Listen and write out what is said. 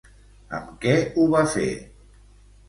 Amb què ho va fer?